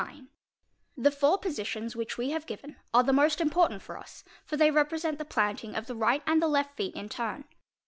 _ The four positions which we have given are the most important for us, or they represent the planting of the right and the left feet in turn.